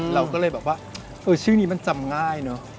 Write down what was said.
เราก็เลยแบบว่าเออชื่อนี้มันจำง่ายเนอะ